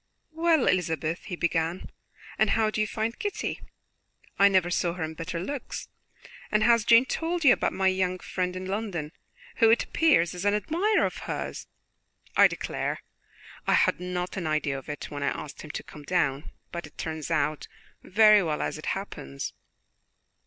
"Well, Elizabeth," he began, "and how do you find Kitty? I never saw her in better looks. And has Jane told you about my young friend in London, who, it appears, is an admirer of hers? I declare I had not an idea of it when I asked him to come down, but it turns out very well as it happens."